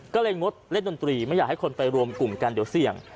ก็เลยงดเล่นดนตรีไม่อยากให้คนไปรวมกลุ่มกันเดี๋ยวเสี่ยง